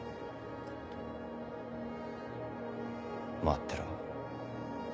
待ってろ。